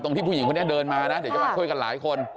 ที่ผู้หญิงคนนี้เดินมานะเดี๋ยวจะมาช่วยกันหลายคน